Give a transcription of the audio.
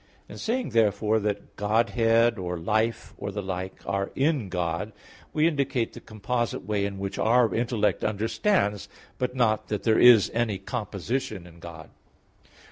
In saying therefore that Godhead, or life, or the like are in God, we indicate the composite way in which our intellect understands, but not that there is any composition in God.